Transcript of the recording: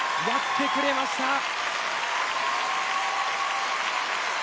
やってくれました。